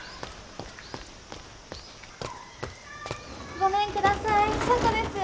ごめんください房子です。